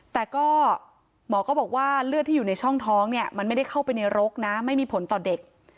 แต่ก็หมอก็บอกว่าเลือดที่อยู่ในช่องท้องเนี่ยมันไม่ได้เข้าไปในรกนะไม่มีผลต่อเด็ก